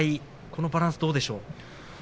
このバランスどうですか。